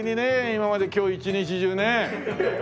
今まで今日一日中ね。